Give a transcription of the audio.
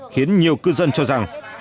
khiến nhiều cư dân không thể đi qua đường nào